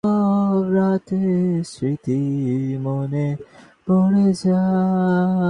উহা ব্যতীত এক মুহূর্তের জন্যও জীবনধারণ করা ভক্তের পক্ষে অসম্ভব বোধ হয়।